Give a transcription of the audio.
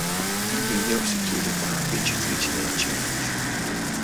Il video si chiude con la vincitrice della challenge.